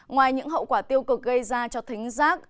ngoài những hậu quả tiêu cực gây ra cho thính giác